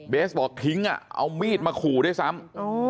เบสบอกทิ้งอ่ะเอามีดมาขู่ด้วยซ้ำ